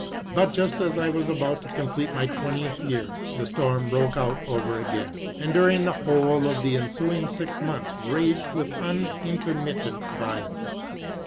But just as I was about to complete my twentieth year, the storm broke out over again, and during the whole of the ensuing six months raged with unlntermittent violence.